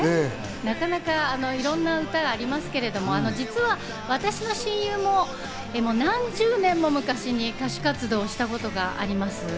なかなか、いろんな歌がありますけど、実は私の親友も何十年も昔に歌手活動をしたことがあります。